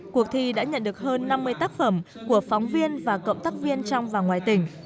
cuộc thi đã nhận được hơn năm mươi tác phẩm của phóng viên và cộng tác viên trong và ngoài tỉnh